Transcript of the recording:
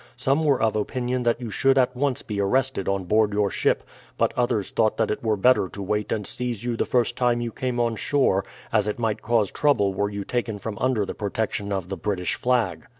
Some were of opinion that you should at once be arrested on board your ship, but others thought that it were better to wait and seize you the first time you came on shore, as it might cause trouble were you taken from under the protection of the British flag.